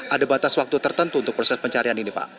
ada batas waktu tertentu untuk proses pencarian ini pak